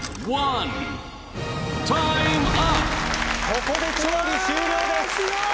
ここで調理終了ですうわー